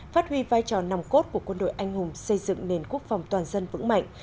phát huy vai trò nòng cốt của quân đội anh hùng xây dựng nền quốc phòng toàn dân vững mạnh